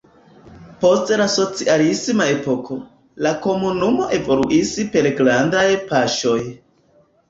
Post la socialisma epoko, la komunumo evoluis per grandaj paŝoj.